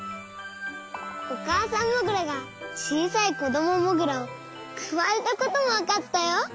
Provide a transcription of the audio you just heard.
おかあさんモグラがちいさいこどもモグラをくわえたこともわかったよ。